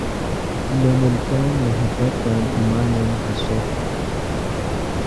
لے ملکن محبت ام ایمانن حصو